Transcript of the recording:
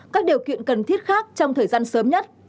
các điều kiện cần thiết khác trong thời gian sớm nhất